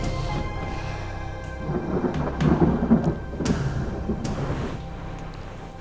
dian apa aja dimakan